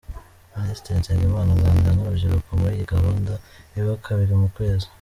Minisitiri Nsengimana aganira n’urubyiruko muri iyi gahunda iba kabiri mu kwezi.